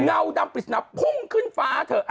เงาดำปริศนาพุ่งขึ้นฟ้าเถอะ